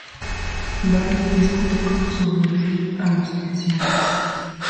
Barney discute cómo sobrevivir a los ancianos.